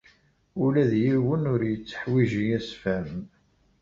Ula d yiwen ur yetteḥwiji assefhem.